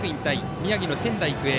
宮城の仙台育英。